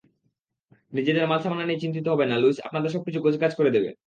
নিজেদের মালসামানা নিয়ে চিন্তিত হবেন না, লুইস আপনাদের সবকিছু গোছগাছ করে দেবে!